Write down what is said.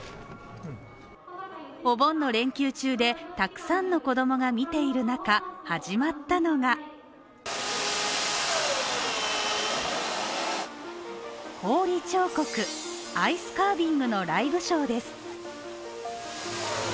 お盆の連休中でたくさんの子供が見ている中、始まったのが氷彫刻、アイスカービングのライブショーです。